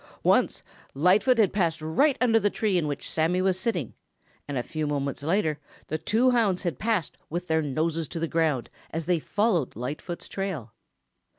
Once, Lightfoot had passed right under the tree in which Sammy was sitting, and a few moments later the two hounds had passed with their noses to the ground as they followed Lightfoot's trail.